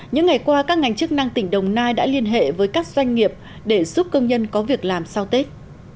những ngày qua các ngành chức năng tỉnh đồng nai đã liên hệ với các doanh nghiệp để giúp công nhân có việc làm sau tết